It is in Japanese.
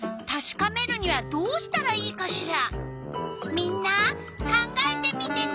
みんな考えてみてね！